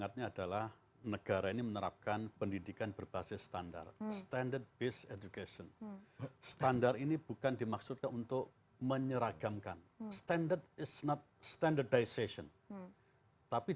terima kasih pak menteri